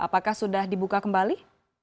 apakah sudah dibuka kembali